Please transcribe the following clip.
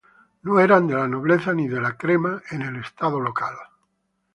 No eran de la "nobleza", ni de la "crema" en el estado local.